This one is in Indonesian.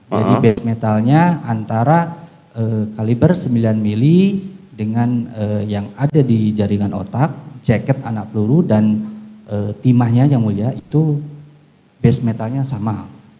jadi base metalnya antara kaliber sembilan mili dengan yang ada di jaringan otak ceket anak peluru dan timahnya yang mulia itu base metalnya sama